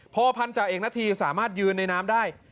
พอพันธาเอกนาธีสามารถยืนในน้ำได้